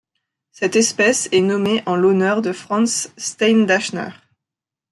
Cette espèce est nommée en l'honneur de Franz Steindachner.